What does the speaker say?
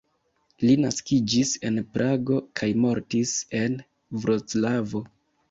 Li naskiĝis en Prago kaj mortis en Vroclavo.